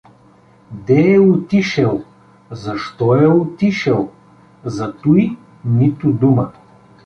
Де е отишел, защо е отишел — за туй нито дума.